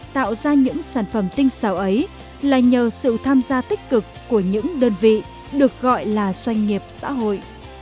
tạo ra những sản phẩm tinh xảo ấy là nhờ sự tham gia tích cực của những đơn vị được gọi là doanh nghiệp xã hội